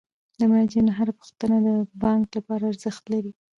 د مراجعینو هره پوښتنه د بانک لپاره ارزښت لري.